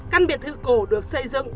căn biệt thự cổ được xây dựng